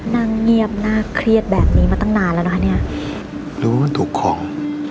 นั่งเงียบน่าเครียดแบบนี้มาตั้งนานแล้วนะคะเนี่ยรู้ว่ามันถูกของ